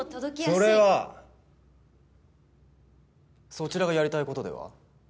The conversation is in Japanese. それはそちらがやりたい事では？